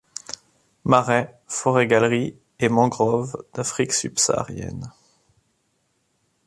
Marais, forêts-galeries et mangroves d'Afrique subsaharienne.